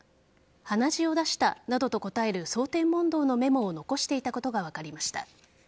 鼻血を出したなどと答える想定問答のメモを残していたことが分かりました。